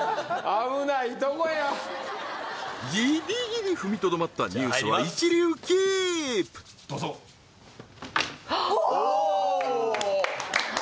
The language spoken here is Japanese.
危ないとこやギリギリ踏みとどまったＮＥＷＳは一流キープどうぞおおー！